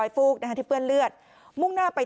กลุ่มตัวเชียงใหม่